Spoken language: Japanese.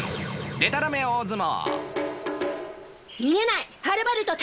でたらめ大相撲。